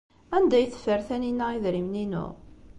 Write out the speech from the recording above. Anda ay teffer Taninna idrimen-inu?